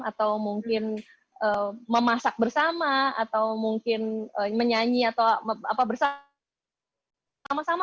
atau mungkin memasak bersama atau mungkin menyanyi atau bersama sama